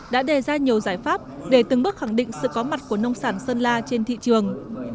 đã đề ra nhiều giải pháp để từng bước khẳng định sự có mặt của nông sản sơn la trên thị trường